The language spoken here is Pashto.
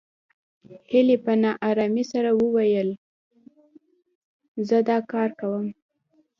هيلې په نا آرامۍ سره وويل زه دا کار کوم